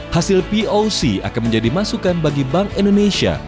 hasil poc akan menjadi masukan bagi bank indonesia